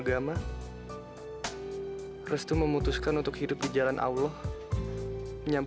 sampai jumpa di video selanjutnya